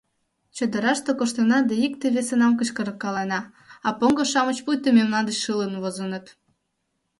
Чодыраште коштына да икте весынам кычкыркалена, а поҥго-шамыч пуйто мемнан деч шылын возыныт.